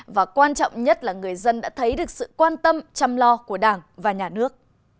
và quan trọng nhất là người dân đã thấy được sự quan tâm chăm lo của đảng và nhà nước